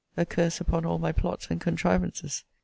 a curse upon all my plots and contrivances!